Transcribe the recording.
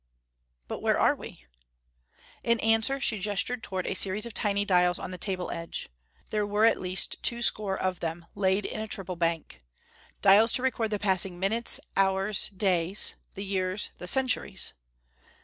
"But where are we?" In answer she gestured toward a series of tiny dials on the table edge. There were at least two score of them, laid in a triple bank. Dials to record the passing minutes, hours, days; the years, the centuries!